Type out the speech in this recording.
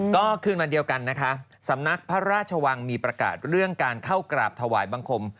ก็คืนวันเดียวกันนะคะสำนักพระราชวังมีประกาศเรื่องการเข้ากราบถวายบังคม